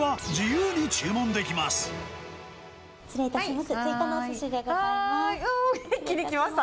失礼いたします。